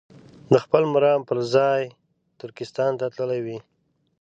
د خپل مرام پر ځای ترکستان ته تللي وي.